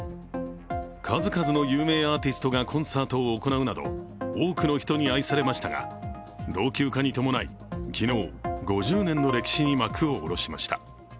数々の有名アーティストがコンサートを行うなど多くの人に愛されましたが老朽化に伴い昨日、５０年の歴史に幕を下ろしました。